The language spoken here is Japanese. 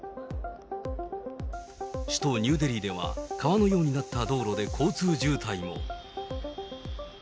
首都ニューデリーでは川のようになった道路で交通渋滞も。